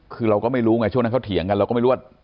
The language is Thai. คือเราก็ไม่รู้ไงช่วงนั้นเขาเถียงกันเราก็ไม่รู้ว่า